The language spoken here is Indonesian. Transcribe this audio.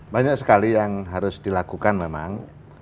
banyak sekali yang harus dilakukan memang